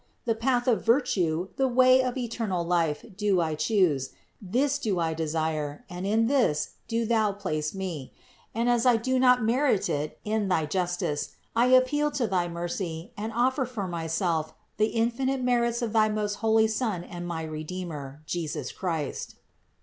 The path of virtue, the way of eternal life do I chose, this do I desire, and in this do Thou place me ; and as I do not merit it in thy justice, I appeal to they mercy, and I offer for myself the infinite merits of thy most holy Son and my Redeemer, Jesus Christ."